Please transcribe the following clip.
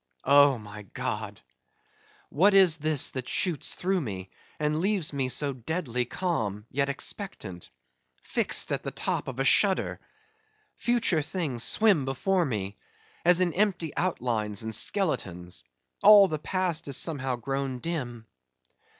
Oh! my God! what is this that shoots through me, and leaves me so deadly calm, yet expectant,—fixed at the top of a shudder! Future things swim before me, as in empty outlines and skeletons; all the past is somehow grown dim.